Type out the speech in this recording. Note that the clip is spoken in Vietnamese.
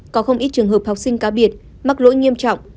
có không ít trường hợp học sinh cá biệt mắc lỗi nghiêm trọng